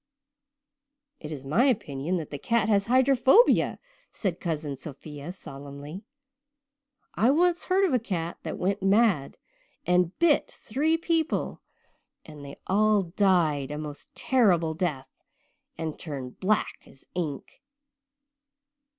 "It is my opinion that the cat has hydrophobia," said Cousin Sophia solemnly. "I once heard of a cat that went mad and bit three people and they all died a most terrible death, and turned black as ink."